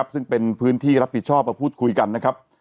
ซึ่งเป็นพื้นที่รับผิดชอบประพูดคุยคู่กัน